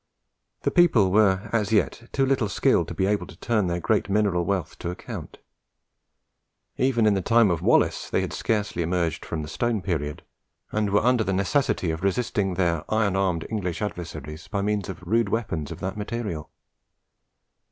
The people were as yet too little skilled to be able to turn their great mineral wealth to account. Even in the time of Wallace, they had scarcely emerged from the Stone period, and were under the necessity of resisting their iron armed English adversaries by means of rude weapons of that material.